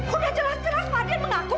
sudah jelas jelas fadil mengaku